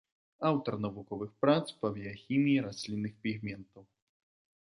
Аўтар навуковых прац па біяхіміі раслінных пігментаў.